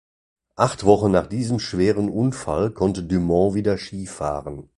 Acht Wochen nach diesem schweren Unfall konnte Dumont wieder Ski fahren.